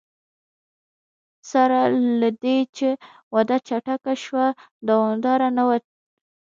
سره له دې چې وده چټکه شوه دوامداره نه وه.